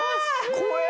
怖え！